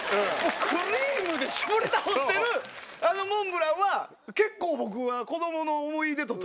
クリームで搾り倒してるあのモンブランは結構僕は子供の思い出とともに。